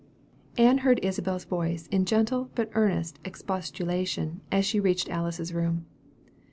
Ann heard Isabel's voice in gentle but earnest expostulation, as she reached Alice's room.